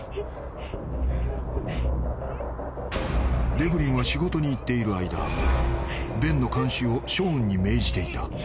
［デブリンは仕事に行っている間ベンの監視をショーンに命じていた］